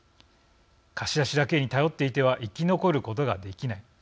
貸し出しだけに頼っていては生き残ることができない。